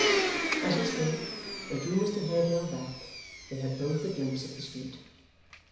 As he spoke, and drew Mr Haredale back, they had both a glimpse of the street.